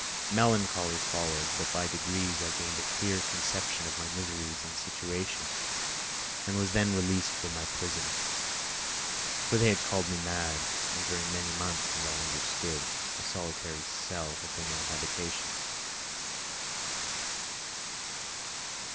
Melancholy followed, but by degrees I gained a clear conception of my miseries and situation and was then released from my prison. For they had called me mad, and during many months, as I understood, a solitary cell had been my habitation.